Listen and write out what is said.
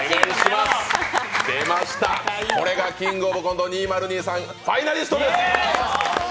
出ました、これが「キングオブコント２０２３」ファイナリストです。